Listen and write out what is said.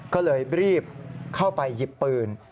ก็เลยรีบเข้าไปหยิบปืน